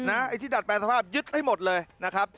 ไอ้ที่ดัดแปลงสภาพยึดให้หมดเลยนะครับ